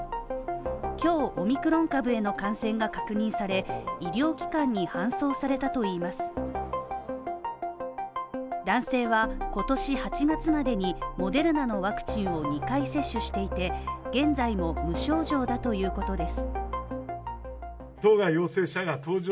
今日、オミクロン株への感染が確認され、医療機関に搬送されたといいます男性は今年８月までにモデルナのワクチンを２回接種していて、現在も無症状だということです。